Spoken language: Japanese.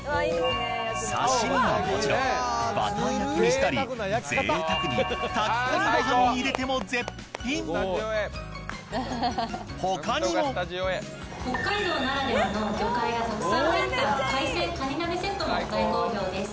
刺身はもちろんバター焼きにしたりぜいたくに炊き込みご飯に入れても絶品他にも北海道ならではの魚介がたくさん入った海鮮かに鍋セットも大好評です。